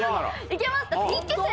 いけます。